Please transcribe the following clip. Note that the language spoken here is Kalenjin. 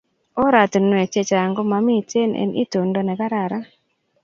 Oratunwek che chang komamiten en itondo nekararan